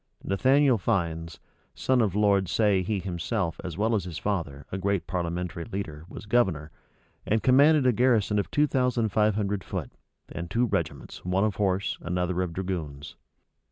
Nathaniel Fiennes, son of Lord Say he himself, as well as his father, a great parliamentary leader was governor, and commanded a garrison of two thousand five hundred foot, and two regiments, one of horse, another of dragoons.